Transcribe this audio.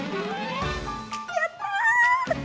やった！